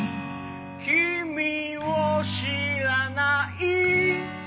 君を知らない